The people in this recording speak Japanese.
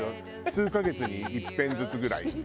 数カ月に一遍ずつぐらい。